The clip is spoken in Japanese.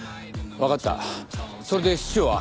分かったそれで室長は？